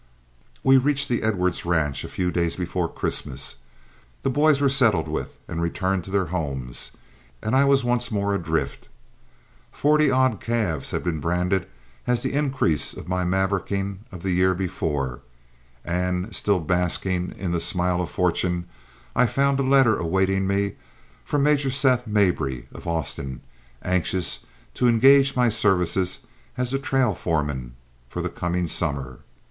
We reached the Edwards ranch a few days before Christmas. The boys were settled with and returned to their homes, and I was once more adrift. Forty odd calves had been branded as the increase of my mavericking of the year before, and, still basking in the smile of fortune, I found a letter awaiting me from Major Seth Mabry of Austin, anxious to engage my services as a trail foreman for the coming summer.